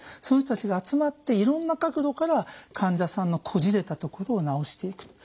その人たちが集まっていろんな角度から患者さんのこじれたところを治していく。